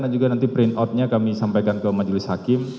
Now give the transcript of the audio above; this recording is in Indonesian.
dan juga nanti print outnya kami sampaikan ke majulis hakim